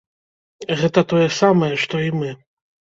Гэта тое самае, што і мы.